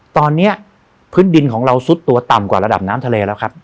ตอนนี้พื้นดินของเราซุดตัวต่ำกว่าระดับน้ำทะเลแล้วครับ